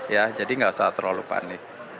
ya jadi nggak usah terlalu panik